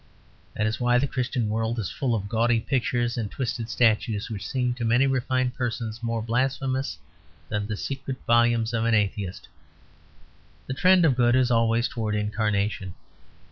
That is why the Christian world is full of gaudy pictures and twisted statues which seem, to many refined persons, more blasphemous than the secret volumes of an atheist. The trend of good is always towards Incarnation.